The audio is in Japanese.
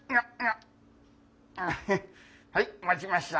「はい持ちました」。